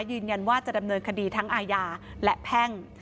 ยืนยันว่าจะดำเนินคดีทั้งอาญาและแพ่ง